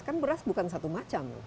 kan beras bukan satu macam